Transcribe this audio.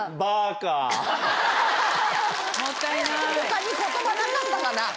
他に言葉なかったかな？